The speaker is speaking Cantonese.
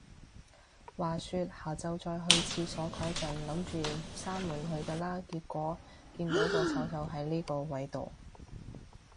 話說，下就再去廁所個陣，諗住閂門去㗎啦，點知，見到個臭臭係呢個位到